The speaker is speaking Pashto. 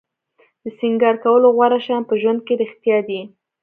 د سینګار کولو غوره شیان په ژوند کې رښتیا دي.